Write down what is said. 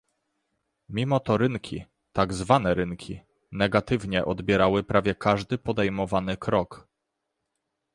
Mimo to rynki - tak zwane rynki - negatywnie odbierały prawie każdy podejmowany krok